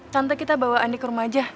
tante kita bawa andi ke rumah aja